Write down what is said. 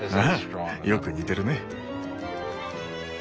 ああよく似てるね。